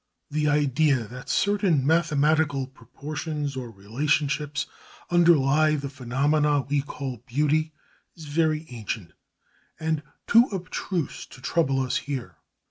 The idea that certain mathematical proportions or relationships underlie the phenomena we call beauty is very ancient, and too abstruse to trouble us here.